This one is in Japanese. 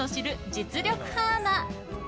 実力派アナ。